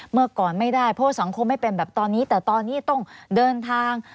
เมื่อก่อนไม่ได้เพราะสังคมไม่เป็นแบบตอนนี้แต่ตอนนี้ต้องเดินทาง